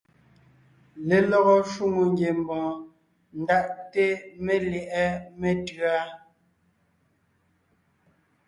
Lelɔgɔ shwòŋo ngiembɔɔn ndaʼte melyɛ̌ʼɛ metʉ̌a.